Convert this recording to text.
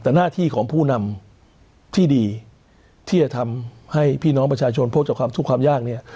แต่หน้าที่ของผู้นำที่ดีที่จะทำให้พี่น้องประชาชนพกจากความทุกข์ความยากเนี่ย